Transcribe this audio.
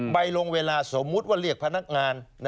ใบลงเวลาสมมุติว่าเรียกพนักงาน